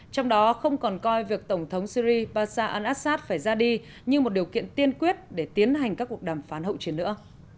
trong đó không còn coi việc tổng thống syri passa al assad phải ra đi như một điều kiện tiên quyết để tiến hành các cuộc đàm phán hậu truyền nữa